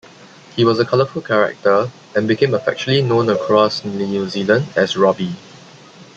He was a colourful character and became affectionately known across New Zealand as "Robbie".